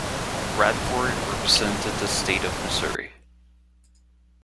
Radford represented the state of Missouri.